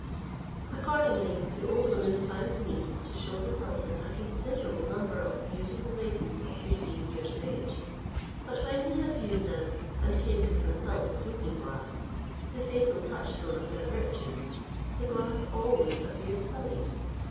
Accordingly the old woman found means to shew the sultan a considerable number of beautiful maidens of fifteen years of age; but when he had viewed them, and came to consult his looking glass, the fatal touchstone of their virtue, the glass always appeared sullied.